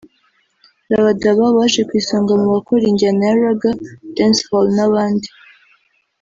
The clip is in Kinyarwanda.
Rabadaba waje ku isonga mu bakora injyana ya Ragga/Dancehall n'abandi